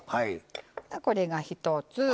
これが一つ。